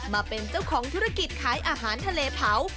มาเป็นเจ้าของธุรกิจขายอาหารทะเลเผา